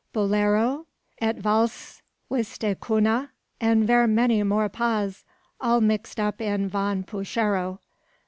Bolero, et valse, wis de Coona, and ver many more pas, all mix up in von puchero.